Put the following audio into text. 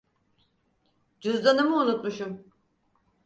Cüzdanımı unutmuşum.